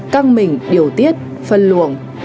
căng mình điều tiết phân luồng